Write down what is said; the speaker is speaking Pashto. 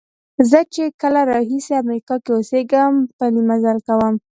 زه چې کله راهیسې امریکا کې اوسېږم پلی مزل کوم.